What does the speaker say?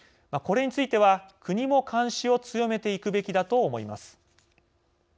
これについては国も監視を強めていくべきだと思います。